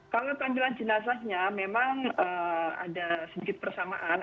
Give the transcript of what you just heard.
kalau tampilan jenazahnya memang ada sedikit persamaan